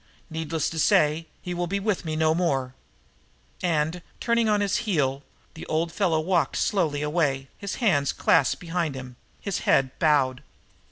Needless to say, he will be with me no more." And, turning on his heel, the old fellow walked slowly away, his hands clasped behind him, his head bowed.